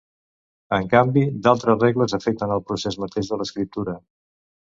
En canvi, d'altres regles afecten el procés mateix de l'escriptura.